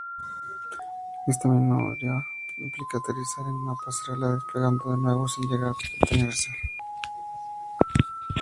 Esta maniobra implica aterrizar en una pasarela despegando de nuevo sin llegar a detenerse.